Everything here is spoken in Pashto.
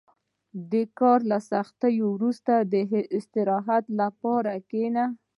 • د کار له سختۍ وروسته، د استراحت لپاره کښېنه.